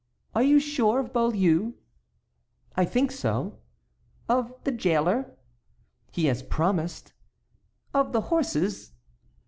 "Are you sure of Beaulieu?" "I think so." "Of the jailer?" "He has promised." "Of the horses?"